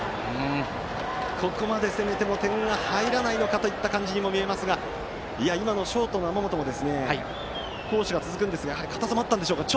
ここまで攻めても点が入らないのかといった感じにも見えますが今のショートの天本も好守が続くんですがやはり硬さもあったのでしょうか